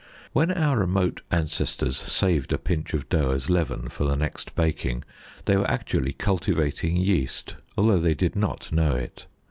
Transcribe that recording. When our remote ancestors saved a pinch of dough as leaven for the next baking, they were actually cultivating yeast, although they did not know it.